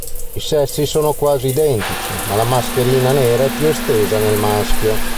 I sessi sono quasi identici, ma la mascherina nera è più estesa nel maschio.